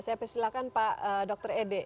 saya persilahkan pak dr ede